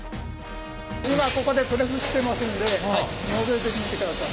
今ここでプレスしてますんでのぞいてみてください。